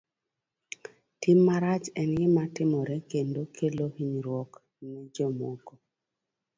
Tim marach en gima timore kendo kelo hinyruok ne jomoko.